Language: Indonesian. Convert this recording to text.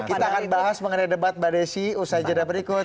nah kita akan bahas mengenai debat mbak desy usai jadwal berikut